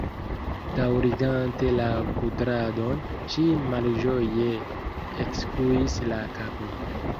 Daŭrigante la kudradon, ŝi malĝoje ekskuis la kapon.